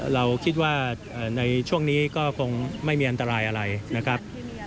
เราคิดว่าในช่วงนี้ก็คงไม่มีอันตรายอะไรนะครับ